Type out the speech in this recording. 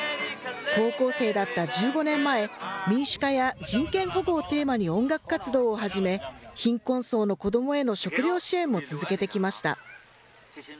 高校生だった１５年前、民主化や人権保護をテーマに音楽活動を始め、貧困層の子どもへの食料支援も続けてきました。